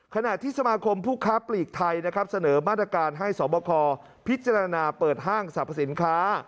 ขณะที่สมาคมผู้ค้าปลีกไทยนะครับเสนอมาตรการให้สวบคพิจารณาเปิดห้างสรรพสินค้า